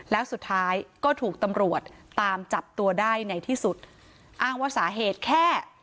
แล้วสุดท้ายก็ถูกตำรวจตามจับตัวได้ในที่สุดอ้างว่าสาเหตุแค่